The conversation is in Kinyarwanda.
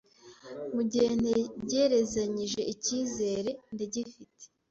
Mu gihe ntegerezanyije ikizere ndagifite,